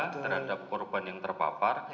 terhadap korban yang terpapar